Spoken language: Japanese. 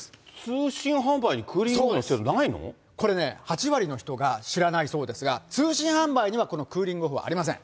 通信販売にクーリングオフの制度、これね、８割の人が知らないそうですが、通信販売にはこのクーリングオフはありません。